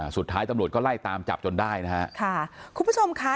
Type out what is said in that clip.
สุดท้ายตำรวจก็ไล่ตามจับจนได้นะฮะค่ะคุณผู้ชมค่ะ